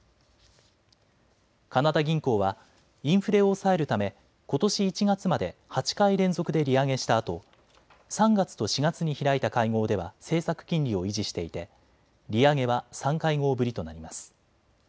カナダ銀行はインフレを抑えるため、ことし１月まで８回連続で利上げしたあと３月と４月に開いた会合では政策金利を維持していて利上げは３会合ぶりとなります。